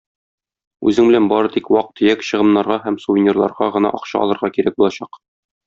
Үзең белән бары тик вак-төяк чыгымнарга һәм сувенирларга гына акча алырга кирәк булачак.